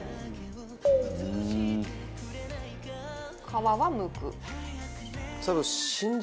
皮はむく。